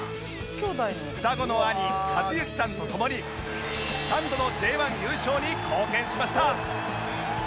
双子の兄和幸さんと共に３度の Ｊ１ 優勝に貢献しました